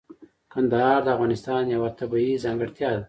کندهار د افغانستان یوه طبیعي ځانګړتیا ده.